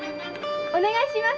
お願いします。